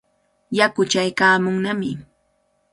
Yaku chaykaamunnami.